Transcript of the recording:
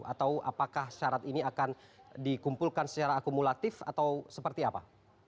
atau apakah syarat ini akan dikumpulkan secara akumulatif atau seperti apa